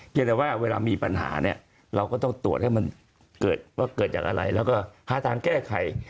แต่ว่าเวลามีปัญหาเนี่ยเราก็ต้องตรวจให้มันเกิดว่าเกิดจากอะไรแล้วก็หาทางแก้ไข